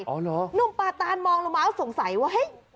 หนุ่มปาตานมองลงมาแล้วสงสัยว่าเฮ้ย